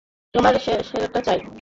তোমার সেরাটা চাই।